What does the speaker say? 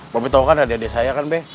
bapak tau kan adik adik saya kan beh